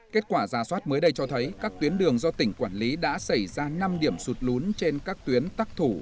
kết quả giả soát mới đây cho thấy các tuyến đường do tỉnh quản lý đã xảy ra năm điểm sụt lún trên các tuyến tắc thủ